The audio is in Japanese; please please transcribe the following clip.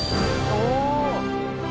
お！